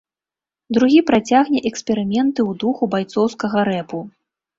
Другі працягне эксперыменты ў духу байцоўскага рэпу.